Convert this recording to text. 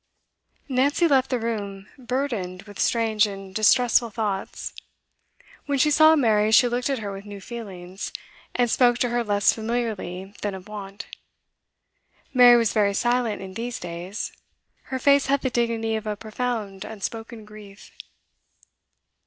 Nancy left the room burdened with strange and distressful thoughts. When she saw Mary she looked at her with new feelings, and spoke to her less familiarly than of wont. Mary was very silent in these days; her face had the dignity of a profound unspoken grief.